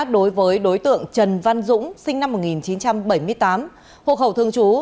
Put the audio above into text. đối với đối tượng trần văn dũng sinh năm một nghìn chín trăm bảy mươi tám hộ khẩu thương chú